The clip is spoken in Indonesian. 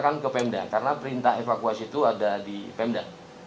saya akan ke pemda karena perintah evakuasi itu ada di pemda